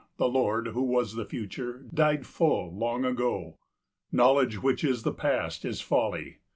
The Lord, Who was the Future, died full long ago. Knowledge which is the Past is folly.